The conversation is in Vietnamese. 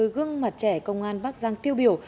một mươi gương mặt trẻ công an bắc giang tiêu biểu